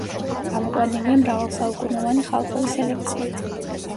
გამოყვანილია მრავალსაუკუნოვანი ხალხური სელექციით.